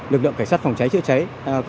lực lượng cảnh sát phòng cháy chữa cháy